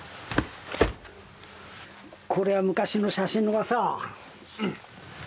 これは昔の写真がさ。